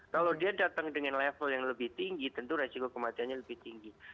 kalau dia datang dengan level yang lebih tinggi tentu resiko kematiannya lebih tinggi